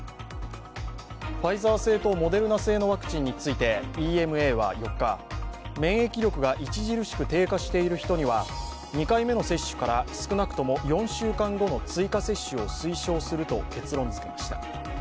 ファイザー製とモデルナ製のワクチンについてＥＭＡは４日、免疫力が著しく低下している人には２回目の接種から少なくとも４週間後の追加接種を推奨すると結論づけました。